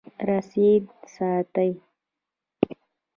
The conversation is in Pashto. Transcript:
رسید ساتئ